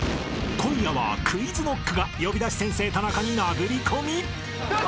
［今夜はＱｕｉｚＫｎｏｃｋが『呼び出し先生タナカ』に殴り込み］